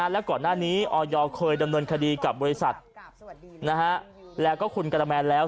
และก่อนหน้านี้ออยเคยดำเนินคดีกับบริษัทแล้วก็คุณกระแมนแล้ว